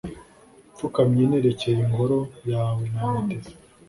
Mpfukamye nerekeye Ingoro yawe ntagatifu